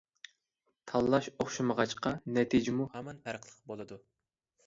تاللاش ئوخشىمىغاچقا، نەتىجىمۇ ھامان پەرقلىق بولىدۇ.